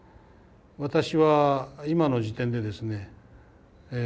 私は今の時点でですね